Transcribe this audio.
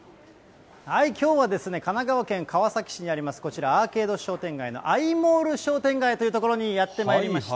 きょうはですね、神奈川県川崎市にあります、こちら、アーケード商店街のあいもーる商店街という所にやって参りました。